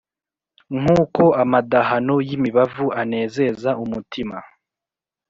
nkuko amadahano yimibavu anezeza umutima